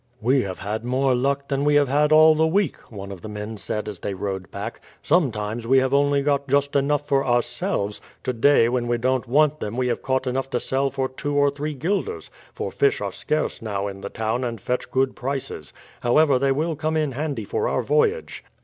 "We have had more luck than we have had all the week," one of the men said as they rowed back. "Sometimes we have only got just enough for ourselves, today when we don't want them we have caught enough to sell for two or three guilders; for fish are scarce now in the town and fetch good prices. However, they will come in handy for our voyage."